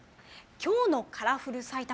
きょうのカラフル埼玉。